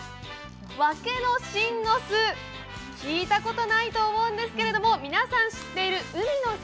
ワケノシンノス、聞いたことないと思うんですけれども、皆さん知っている海の幸。